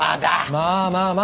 まあまあまあ。